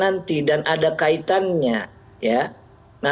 pada saat itu sudah ada kaitannya